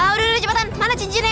udah udah cepetan mana cincinnya